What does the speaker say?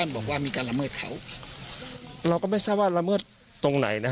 ลุงพลบอกว่ามันก็เป็นการทำความเข้าใจกันมากกว่าเดี๋ยวลองฟังดูค่ะ